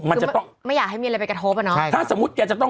มันจะต้องไม่อยากให้มีอะไรไปกระทบอ่ะเนาะใช่ถ้าสมมุติแกจะต้อง